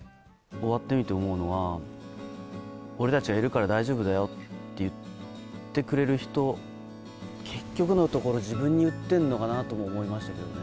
終わってみて思うのは、俺たちがいるから大丈夫だよって言ってくれる人、結局のところ、自分に言ってるのかなとも思いましたけどね。